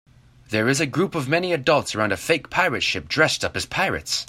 There is a group of many adults around a fake pirate ship dressed up as pirates.